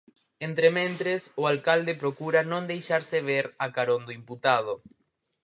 Entrementres, o alcalde procura non deixarse ver a carón do imputado.